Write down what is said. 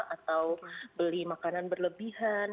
atau beli makanan berlebihan